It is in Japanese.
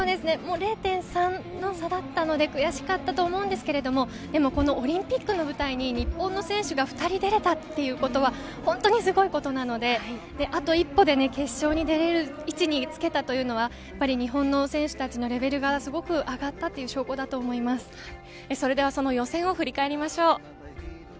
０．３の差だったので悔しかったんですけれどオリンピックの舞台に日本の選手が２人出れたということは本当にすごいことなのであと一歩で決勝に出れる位置につけたというのは日本の選手たちのレベルがすごく上がったというその予選を振り返りましょう。